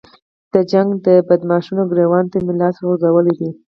د جګړې د بدماشانو ګرېوان ته مې لاس ورغځولی دی.